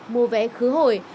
mua vé khứ hồi